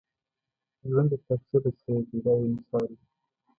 ژوند د کتابچې په څېر دی دا یو مثال دی.